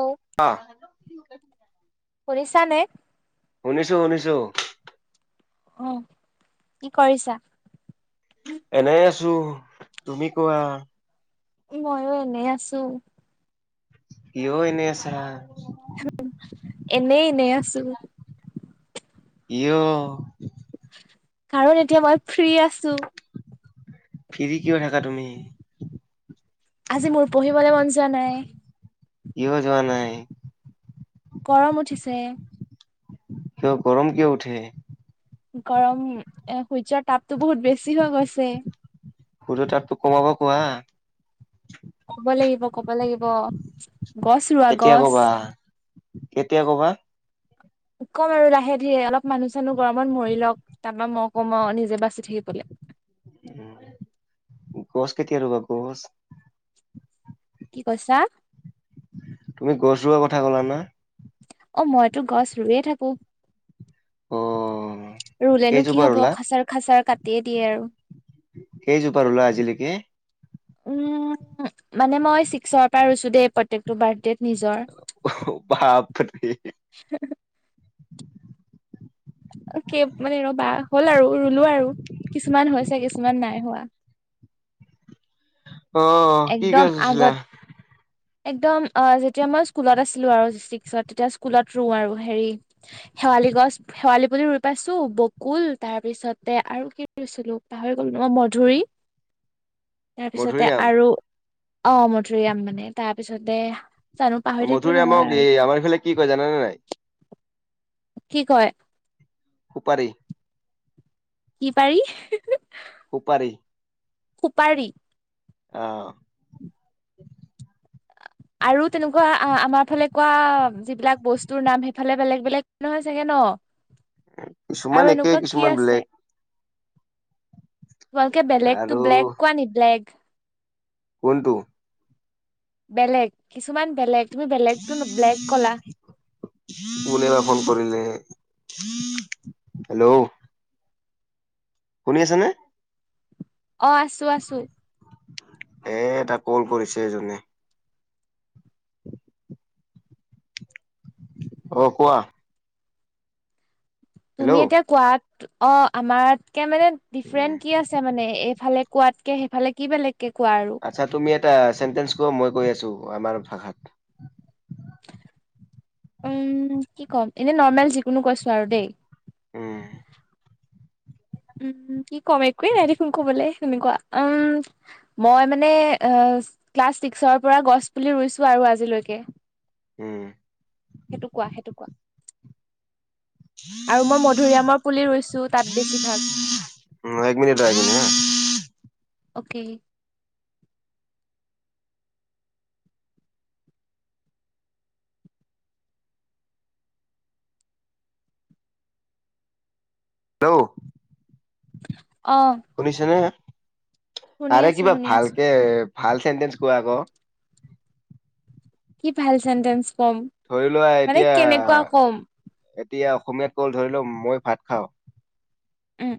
অ', অঁ। শুনিছা নে? শুনিছো, শুনিছো। অহ, কি কৰিছা? এনে আছো, তুমি কোৱা? মইো এনেই আছো। কিয় এনেই আছে? এনেই এনেই আছো। কিয়? কাৰণ এতিয়া মই ফ্ৰী আছো। ফ্ৰী কিয় থাকা তুমি? আজি মোৰ পঢ়িবলৈ মন যোৱা নাই। কিয় যোৱা নাই? গৰম উঠিছে। কিয়? গৰম কিয় উঠে? গৰম, এ সূৰ্য্যৰ তাপতো বহুত বেছি হৈ গৈছে। সূৰ্য্যৰ তাপটোক কমাব কোৱা। ক'ব লাগিব ক'ব কব লাগিব। গছ ৰুোৱা কেতিয়া গছ কবা কেতিয়া কবা কম আৰু লাহে ধীৰে অলপ মানুহ চানুহ গৰমত মৰি লওক। তাৰপৰা মই কম আৰু নিজে বাচি থাকিবলে। উম, গছ কেতিয়া ৰোবা, গছ? কি কৈছা? তুমি গছ ৰুৱা কথা ক'লা ন? অ', মইতো গছ ৰুয়ে থাকো। অ'। ৰুলেনো কি কেইজোপা হ'ব ৰুলা খাচাৰ খাচাৰ কাটিয়ে দিয়ে আৰু। কেইজোপা ৰুলা আজিলৈকে? উম, মানে মই চিক্সৰ পৰা ৰুইছো দেই, প্ৰতেকটো বাৰ্থডেত নিজৰ। বাপৰে কেই মানে ৰবা! হ'ল আৰু ৰুলো আৰু। কিছুমান হৈছে, কিছুমান নাই হোৱা। অহ' কি একদম গছ ৰুইছিলা? আগত একদম অ' যেতিয়া মই স্কুলত আছিলোঁ আৰু ছিক্সত তেতিয়া স্কুলত ৰুও আৰু হেৰি। শেৱালি গছ, শেৱালি পুলি ৰুই পাইছো, বকুল তাৰ পিছতে আৰু কি ৰুইছিলো পাহৰি গলো। অঁ, মধুৰি। তাৰ পিছতে মধুৰিআম? আৰু অ', মধুৰিআম মানে তাৰপিছতে মধুুৰিআমক এই আমাৰ ফালে কি কয় জানানে নাই? কি কয়? উপাৰি? কি পাৰি? উপাৰি। সুপাৰী। অহ'। আৰু তেনেকুৱা আমাৰ ফালে কোৱা যিবিলাক বস্তুৰ নাম সেইফালে বেলেগ বেলেগ নহয় চাগে ন। অ' কিছুমান আৰু একে এনেকুৱা কি কিছুমান আছে? বেলেগ তোমালোকে বেলেগতো আৰু ব্লেগ কোৱা নি? ব্লেগ। কোনটো? বেলেগ কিছুমান বেলেগ। তুমি বেলেগতো ব্লেগ ক'লা। কোনে বা ফোন কৰিলে হেল্ল'! শুনি আছা নে? অ' আছোঁ আছোঁ। এ, এটা ক'ল কৰিছে এজনে। [inaudible] অ' কোৱা। হেল্ল' তুমি এতিয়া কোৱাত অ' আমাতকে মানে উম ডিফেৰেনট কি আছে মানে। এইফালে কোৱাতকে সেইফালে কি বেলেগকে কোৱা আৰু? তিয়া চেণ্টেচ কোৱা, মই কৈ আছোঁ আমাৰ ভাষাত। উম' কি ক'ম এনে নৰ্মেল যিকোনো কৈছোঁ আৰু দেই। উম' উম' কি কম একোৱেই নাই দেখোন কবলে তেনেকুৱা উম' মই মানে এ ক্লাছ ছিক্সৰ পৰা গছ পুলি ৰুইছো আৰু আজিলৈকে। উম সেইটো কোৱা, সেইটো কোৱা আৰু মই মধুৰিআমৰ পুলি ৰুই ছো তাত বেছিভাগ উম এক মিনিট আহিন- অকে হেল্ল', অ শুনিছেনে? শুনি আৰে আছো কিবা শুনি আছো ভালকে ভাল চেন্টেঞ্চ কোৱা আকৌ! কি ভাল চেটে ধৰি লোৱা এতিয়া কম এতিয়া অসমীয়াত ক'ল ধৰি লও মই ভাত খাওঁ। উম।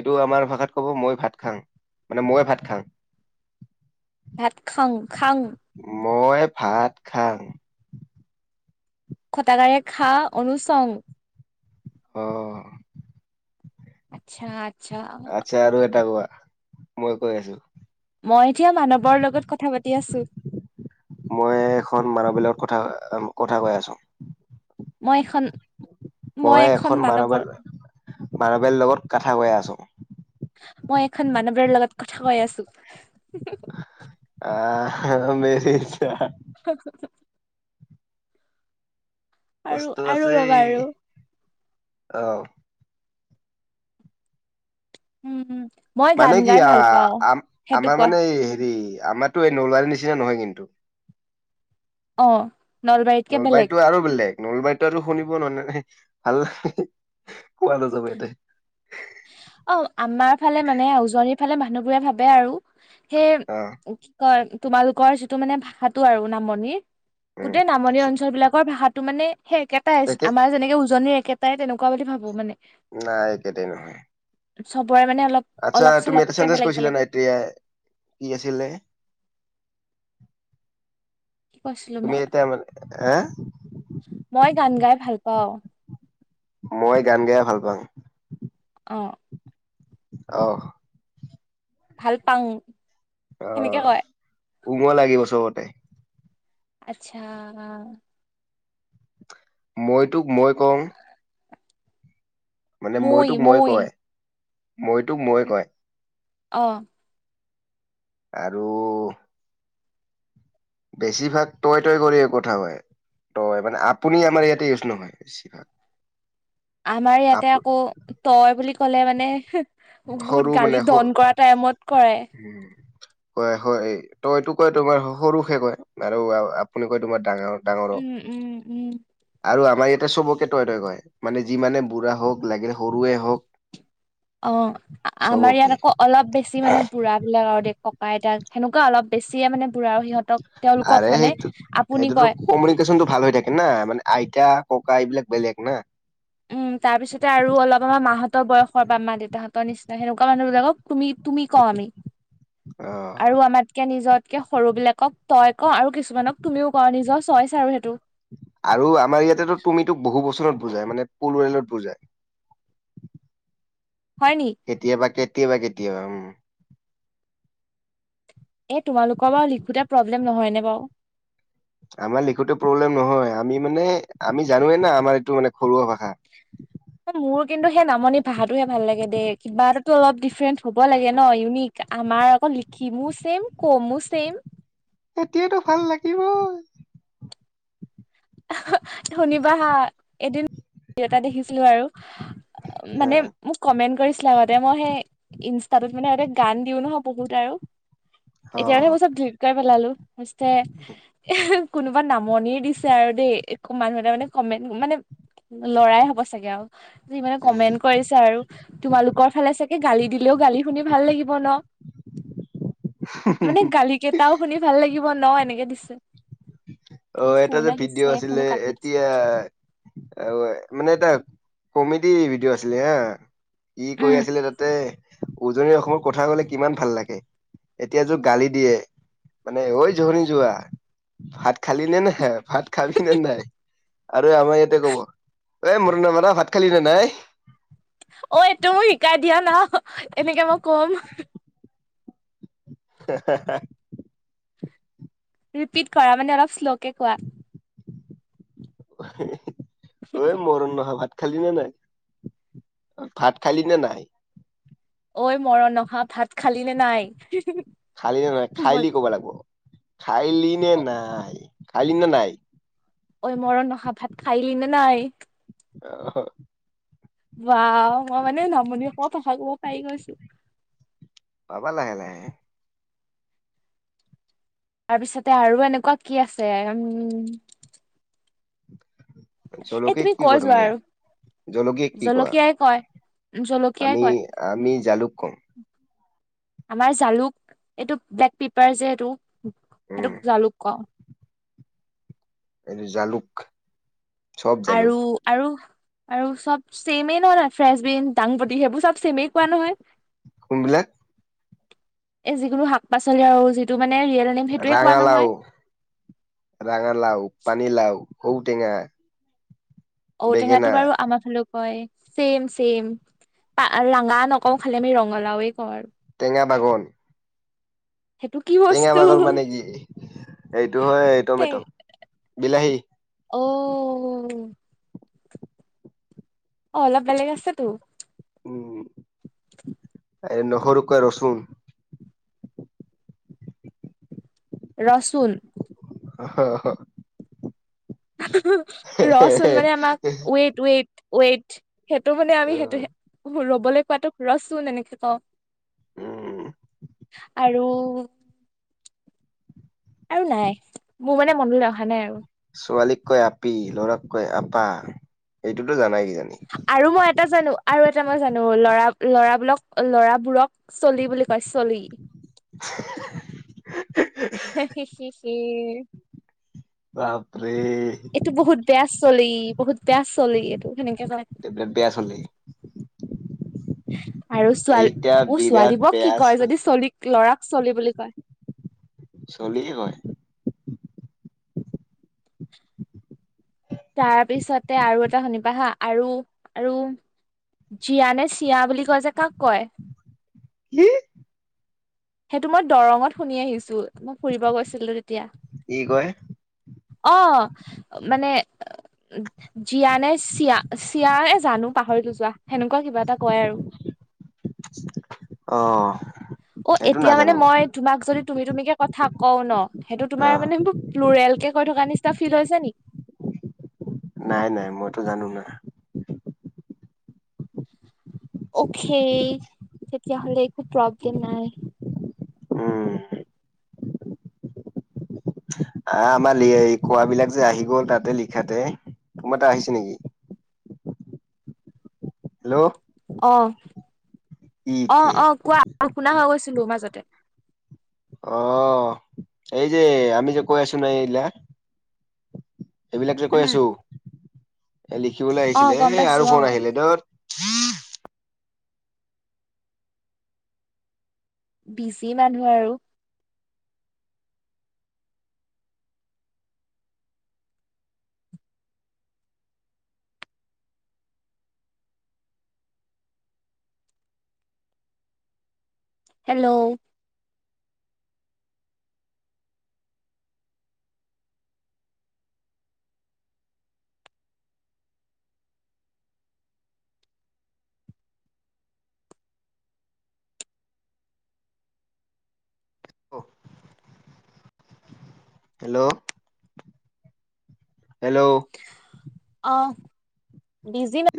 এইটো আমাৰ ভাষাত ক'ব মই ভাত খাওঁ মানে মই ভাত খাওঁ। ভাত খাং খাং মই ভাত খাওঁ। কটাকাৰে খা অনুনচং আহঁ। আচ্ছা। আচ্ছা আচ্ছা আৰু এটা কোৱা, মই কৈ আছো। মই এতিয়া মানৱৰ লগত কথা পাতি আছো। মই এখন মানবিলগত কথা কথা কৈ আছো। মই এখন মই এখন মানৱৰ মাৰবলৰ লগত কথা কৈয় আছো। মই এখন মানৱৰৰ লগত কথা কৈ আছো। আহ মেৰি ইচ্ছা [unintelligible] আৰু কষ্ট আৰু আছে ৰবা এই আৰু অহ উম উম। মই মানে গান কি গাই আ ভাল পাওঁ আ সেইটো আমাৰ কোৱা মানে হেৰি আমাৰতো এই নলবাৰীৰ নিচিনা নহয় কিন্তু। অ। নলবাৰীতকে বেলেগ নলবাৰীতটো আৰু বেলেগ নলবাৰীতো আৰু শুনিব ন নে ভাল কোৱা নাযাব এতে অ আমাৰ ফালে মানে উজনিৰ ফালে মানুহবোৰে ভাবে আৰু সেই অ কি কয় তোমালোকৰ যিটো মানে ভাষাটো আৰু নামনিৰ উম গোটেই নামনি অঞ্চল বিলাকৰ ভাষাটো মানে একেটাই একে আমাৰ যেনেকে উজনিৰ এক কেইটাই তেনেকুৱা বুলি ভাবো মানে। নাই একেটে নহ চবৰে মানে অলপ আচ্ছা অলপ তুমি এটা চলপকে চেনজেজ বেলেগ কৈছিলা বেলেগ নাই এতিয়া কি আছিলে কি কৈছিলো তুমি মই এতিয়া মান, হা? মই গান গাই ভাল পাওঁ। মই গান গাই ভাল পাঙ। অ। অহ। ভাল পাং। আহ উমল লাগিব চবতে। আচ্ছা। মই তোক মই কওঁ। মানে মইতোক মই কয় মইতোক মই কয়। আহ। আৰু। বেছিভাগ তটয় তয় কৰি কোথা হয়। তই মানে আপুনি আমাৰ ইয়াতে ইউজ নহয় বেছিভাগ। আমাৰ ইয়াতে আপ আকৌ তই বুলি ক'লে মানে। মোক সৰু বহুত মানে গালি সৰু দন কৰা টাইমত কৰে। ক হয় তইতো কয় তোমাৰ সৰুহে কয় আৰু আপুনি কয় তোমাৰ ডাঙৰ। উম উম উম ডাঙৰক আৰু আমাৰ ইয়াতে চবকে। তই তই কয় মানে যি মমানে বুঢ়া হওক লাগিলে সৰুৱে হওক। অ আমাৰ চবকে ইয়াত আকৌ অলপ বেছি মানে বুঢ়া বিলাক আৰু দে ককা আইতাক। সেনেকুৱা অল বেছিয়ে মানে। বুঢ়া আৰু সিহঁতক তেওঁলোকক আৰে মানে সেইটো আপুনি সেইটোতো কয় কমিউনিকেশ্যনতটো ভাল হৈ থাকে না মানে আইতা। ককা এইবিলাক বেলেগ না। উম তাৰ পিছতে আৰু অলপ আমাৰ মাহতৰ বয়স। ঘৰ বা মা দেউতাহতৰ নিচনা সেকুৱা মানুহবিলাকক তুমি। তুমি কওঁ আমি। অ আৰু আমাতকে নিজতকে সৰুবিলাকক তই ক আৰু কিছুমানক তুমিও ক, নিজৰ চইচ আৰু সেইটো। আৰু আমাৰ ইয়াতে তুমিতো বহু বছৰত বুজাই, মানে পুলৱেলত ৱেলত বুজাই হয় নি কেতিয়াবা, কেতিয়াবা, কেতিয়াবা, উম। এ তোমালোকৰ বাৰু লিখোতে প্ৰব্লেম নহয় নে বাৰু। আমাৰ লিখোতে প্ৰব্লেম নহয়। আমি মানে আমি জানোৱে না, আমাৰ এইটো মানে ঘৰুৱা ভাষা। [unintelligible] মোৰ কিন্তু সেই নামনি ভাষাটোহে ভাল লাগে দেই। কিবা এটাতো অলপ ডিফ্ৰেৰেন্ট হ'ব লাগে ন ইউনিক। আমাৰ আকৌ লিখিমো ছেম কমো ছেম। এতিয়াতো ভাল লাগিবই। শুনিবা হা এদিন? দেখিছিলো আৰু মানে আহ, মোক কমেন্ট কৰি। লগতে মই সেই ইনস্তাটোত মানে সহতে গান দিও নহয় বহুত আৰু অ এতিয়া আৰু এইবোৰ চব ধুপকাই পেলালো দিছে। কোনোবা নামনিৰ দিছে আৰু দেই, এক মানুহ এটা মানে কমেণ্ট, মানে লৰাই হ'ব চাগে আৰু যি মানে কমেন্ট কৰিছে আৰু তোমালোকৰ ফালে চাগে গালি দিলেওঁ, গালি শুনি ভাল লাগিব ন। মানে গালি কেইটাও শুনি ভাল লাগিব ন, এনেকে দিছে। এই অহ' এটা ফোন যে আহিছে ভিডিঅ' আছিলে ফোনো কাটি দিছে এতিয়া। অহ, মানে এ এ কমেডি ভিডিঅ' আছিলে হা। ই কৈ উম আছিলে তাতে উজনি অসমৰ কথা ক'লে কিমান ভাল লাগে। এতিয়া যোৰ গালি দিয়ে মানে ঐ জনি যোৱা, ভাত খালি নে নাই। ভাত খাবি নে নাই। আৰু আমাৰ ইয়াতে ক'ব, এই মোৰনে মৰা ভাত খালি নে নাই। অহ' এইটো মোক শিকাই দিয়া না, এনেকে মই কম। [unintelligible] ৰিপিট কৰা। মানে অলপ শ্ল'কে কোৱা। [unintelligible] ঐ মৰণ নহোৱা ভাত ভাত খালি নে নাই। ভাত খালি নে নাই। ঐ মৰণ নহোৱা, ভাত খালি নে নাই। খালি নে নাই। খাইলি ক'ব লাগিব। খাইলি নে নাই, খাইলি নে নাই। ঐ মৰণ নহোৱা ভাত খাইলি নে নাই। অহ'। বা মই মানে নামনি অসমৰ ভাষা ক'ব পাৰি গৈছো। পাবা লাহে লাহে তাৰপিছতে আৰু এনেকুৱা কি আছে, উম। এই জলকে তুমি কি কৈ কৰ যোৱা মেই, আৰু জলকে কি কোৱা। জলকীয়াই কয় জলকীয়াই আমি, কয় আমি জালুক কওঁ। আমাৰ জালুক, ইটোক ব্লেক পেপাৰ যে সেইটো, উম সেইটোক জালুক কওঁ। এনেই জালুক। চব জালুক আৰু, আৰু। আৰু চব চেমেই ন, নে ফ্ৰেচব্ৰিন, দাংবদি সেইবোৰ চব চেমেই তেনেকুৱাই নহয়। কোনবিলাক? এই যিকোনো শাক-পাচলি আৰু যিটো মানে ৰিয়েল নেম সেইটোৱে কোৱা ৰাঙালাও। নহয় ৰাঙালাও, পানীলাও। ঔটেঙা। ঔটেঙাতো বাৰু আমাৰ ফালেও হয়, চেম-চেম। ৰাঙা নকওঁ খালি আমি ৰঙালাওে কওঁ আৰু টেঙা বাগন। সেইটো কি টেঙা বস্তু বাগন মানে কি, এইটো হয় টমেট' বিলাহী। অহ অ, অলপ বেলেগ আছেতো। উম [unintelligible] এই নহৰুক কয় ৰচুন, ৰচুন হ হ ৰচুন মানে আমাক ওৱেট ৱেট ৱেট, সেইটো মানে আমি, সেইটো ৰ'বলৈ হে ৰৈ থকাটোক ৰহচোন এনেকে কওঁ। উম আৰু আৰু নাই, মোৰ মানে মনলৈ অহা নাই আৰু। ছোৱালীক কয় আপি, ল'ৰাক কয় আপা। এইটোতো জানাই কিজানি। আৰু মই এটা জানো আৰু এটা মই জানো, ল'ৰা ল'ৰাবোৰক, লৰাবোৰক চলি বুলি কয়। চলি। [unintelligible] হে হে হে বাপৰে বেয়া চলি বহুত বেয়া চলি, এইটোক হেনো [unintelligible] বেয়া চলে নেকি আৰু ছোৱাল, এইটা অ বিৰাট ছোৱালীবোৰক কি বেয়া কয় যদি চলি লৰাক চলি বুলি কয়? চলিয়ে কয় তাৰ পিছতে আৰু এটা শুনিবা হা আৰু আৰু জিয়া নে চিয়া বুলি কয় যে কাক কয়? হোম সেইটো মই দৰঙত শুনি আহিছো, মই ফুৰিব গৈছিলো তেতিয়া। কি কয়? অ, মানে জিয়ানে চিয়া চিয়া এজানো পাহৰিলো যোৱা, সেনেকুৱা কিবা এটা কয় আৰু। অহ অ' এতিয়া মানে মই তোমাক যদি তুমি তুমিকে কথা কও ন সেইটো অ তোমাৰ মানে প্ৰুৰেল কে কৈ থকা নিচিনা ফিল হৈছে নেকি? নাই-নাই মইতো জানো নাই। অকে, তেতিয়া হ'লে একো প্ৰব্লেম নাই। উম' আ, আমাৰ এই কোৱাবিলাক যে আহিব তাতে লিখাতে তোমাৰ তাত আহিছে নেকি? হেল্ল' অ'হ, ইতে অ' অ' কোৱা আৰু নোশুনা হৈ গৈছিলোঁ মাজতে। অ' এই যে আমি যে কৈ আছোঁ ন এই বিলাক এইবিলাক যে কৈ উম আছোঁ এ লিখিবলৈ অ আহিছিলে, গম এ পাইছো আৰু অ ফোন আহিলে দত বিজি মানুহ আৰু হেল্ল' হেল্ল' হেল্ল' অ' বিজি নে